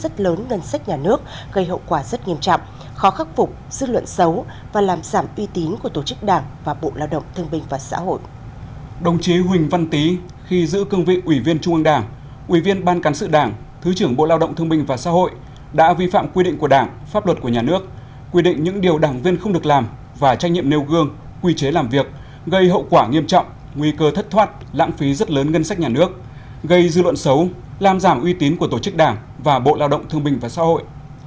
của nhà nước gây hậu quả rất nghiêm trọng khó khắc phục dư luận xấu và làm giảm uy tín của tổ chức đảng và bộ lao động thương minh và xã hội